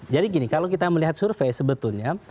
jadi gini kalau kita melihat survei sebetulnya